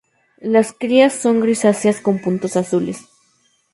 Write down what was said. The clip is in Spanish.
Las crías son grisáceas con puntos azules.